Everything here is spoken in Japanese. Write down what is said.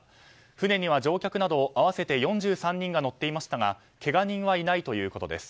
船には乗客など合わせて４３人が乗っていましたがけが人はいないということです。